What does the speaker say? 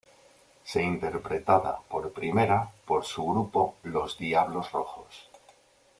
Se interpretada por primera por su grupo Los Diablos Rojos.